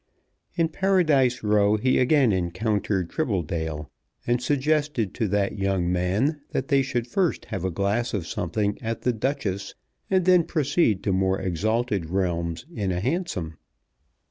In Paradise Row he again encountered Tribbledale, and suggested to that young man that they should first have a glass of something at the "Duchess" and then proceed to more exalted realms in a hansom.